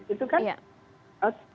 otonomi khusus bu yandi